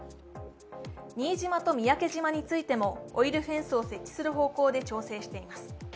新島と三宅島についてもオイルフェンスを設置する方向で検討しています。